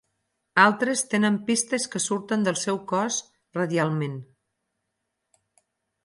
Altres tenen pistes que surten del seu cos "radialment".